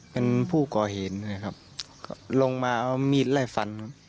เป็นผู้ก่อเหตุเลยครับก็ลงมาเอามีดไล่ฟันครับ